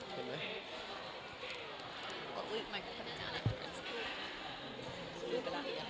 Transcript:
กลัวจัดสร้างโน้ท